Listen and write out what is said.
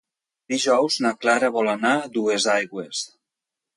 Dijous na Clara vol anar a Duesaigües.